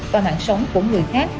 và mạng sống của người khác